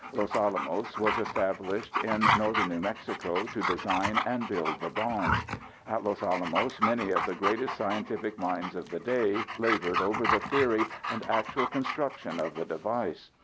Los Alamos was established in northern New Mexico to design and build the bomb. At Los Alamos many of the greatest scientific minds of the day labored over the theory and actual construction of the device.